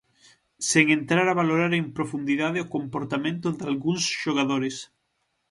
Sen entrar a valorar en profundidade o comportamento dalgúns xogadores.